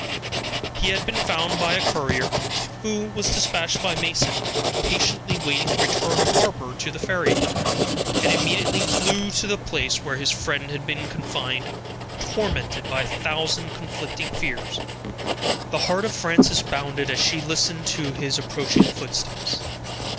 He had been found by the courier who was dispatched by Mason, impatiently waiting the return of Harper to the ferry, and immediately flew to the place where his friend had been confined, tormented by a thousand conflicting fears. The heart of Frances bounded as she listened to his approaching footsteps.